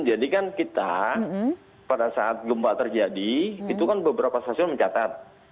jadi kan kita pada saat gempa terjadi itu kan beberapa stasiun mencatat